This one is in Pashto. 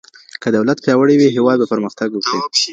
که دولت پیاوړی وي، هېواد به پرمختګ وکړي.